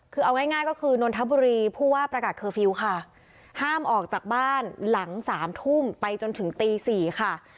คือเอาง่ายง่ายก็คือนทบุรีผู้ว่าประกาศค่ะห้ามออกจากบ้านหลังสามทุ่มไปจนถึงตีสี่ค่ะ